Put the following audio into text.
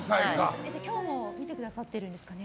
今日も見てくださってるんですかね？